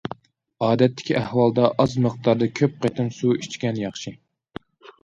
ئادەتتىكى ئەھۋالدا ئاز مىقداردا كۆپ قېتىم سۇ ئىچكەن ياخشى.